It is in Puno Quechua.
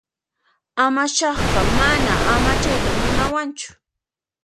Amachaqqa mana amachayta munawanchu.